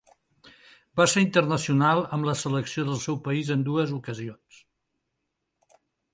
Va ser internacional amb la selecció del seu país en dues ocasions.